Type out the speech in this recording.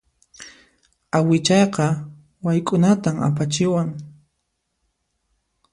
Awichayqa wayk'unatan apachiwan.